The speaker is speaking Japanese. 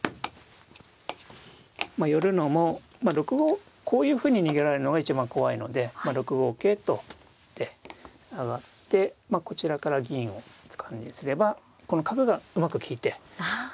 寄るのもこういうふうに逃げられるのが一番怖いので６五桂と打って上がってまあこちらから銀を使うようにすればこの角がうまく利いて逃げ場所がないですね。